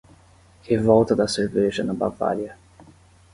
Revolta da Cerveja na Bavária